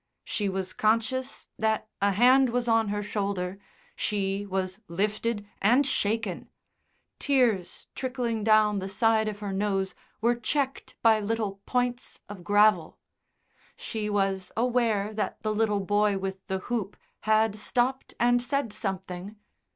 She was conscious that a hand was on her shoulder, she was lifted and shaken. Tears trickling down the side of her nose were checked by little points of gravel. She was aware that the little boy with the hoop had stopped and said something.